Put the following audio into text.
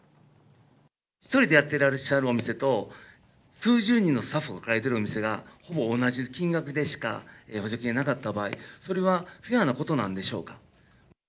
１人でやっていらっしゃるお店と、数十人のスタッフを抱えてるお店が、ほぼ同じ金額でしか補助金がなかった場合、それはフェアなことなんでしょうか。